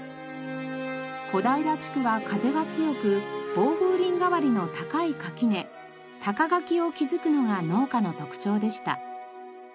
小平地区は風が強く防風林代わりの高い垣根高垣を築くのが農家の特徴でした。